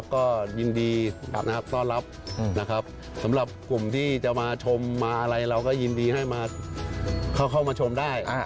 ก็ยินดีต้อนรับสำหรับกลุ่มที่จะมาชมมาอะไรเราก็ยินดีให้เข้ามาชมได้